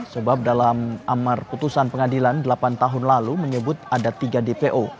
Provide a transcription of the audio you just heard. sebab dalam amar putusan pengadilan delapan tahun lalu menyebut ada tiga dpo